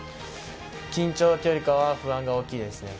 緊張というよりかは不安が大きいですね。